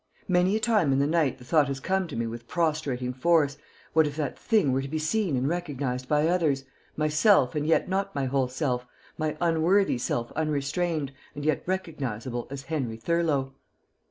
Many a time in the night the thought has come to me with prostrating force, what if that thing were to be seen and recognized by others, myself and yet not my whole self, my unworthy self unrestrained and yet recognizable as Henry Thurlow.